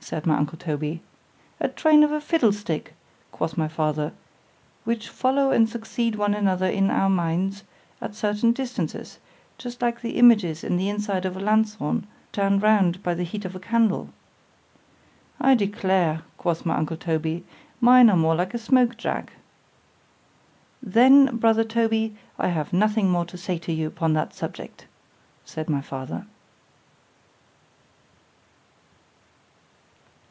said my uncle Toby——A train of a fiddle stick!—quoth my father—which follow and succeed one another in our minds at certain distances, just like the images in the inside of a lanthorn turned round by the heat of a candle.—I declare, quoth my uncle Toby, mine are more like a smoke jack.——Then, brother Toby, I have nothing more to say to you upon that subject, said my father.